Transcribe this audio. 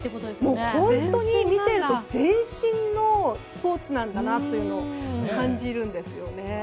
本当に全身のスポーツなんだなというのを感じるんですよね。